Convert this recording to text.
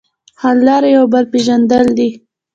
حل لاره یو بل پېژندل دي.